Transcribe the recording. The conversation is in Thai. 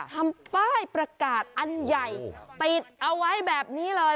ทำป้ายประกาศอันใหญ่ติดเอาไว้แบบนี้เลย